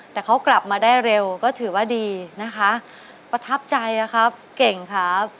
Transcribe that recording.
แต่เขากลับมาได้เร็วก็ถือว่าดีนะคะประทับใจนะครับเก่งครับ